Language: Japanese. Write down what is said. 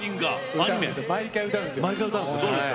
毎回歌うんですよ。